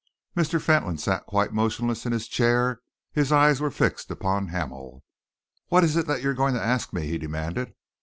Mr. Fentolin sat quite motionless in his chair; his eyes were fixed upon Hamel. "What is it that you are going to ask me?" he demanded.